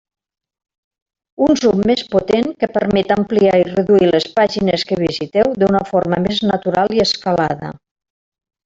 Un zoom més potent, que permet ampliar i reduir les pàgines que visiteu d'una forma més natural i escalada.